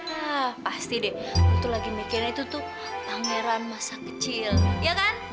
hah pasti deh gue tuh lagi mikirin itu tuh pangeran masa kecil iya kan